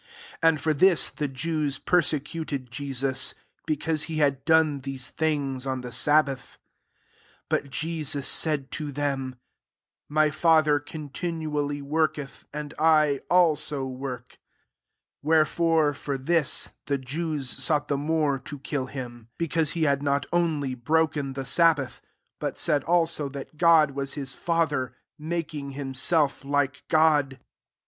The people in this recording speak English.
16 And for this, the Jews persecuted Jesus, because he had done these things on the sabbath. ir But Jesus said to them$ " My Father continually work eth; and I also work." IS Wherefore, for this, the Jews sought the more to kill him ; because he had not only broken the sabbath, but said also, that God was his father, making himself like God.